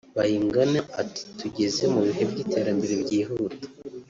Bayingana ati “tugeze mu bihe by’iterambere byihuta